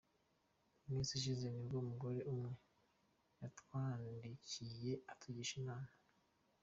Mu minsi ishize nibwo umugore umwe yatwandikiye atugisha inama.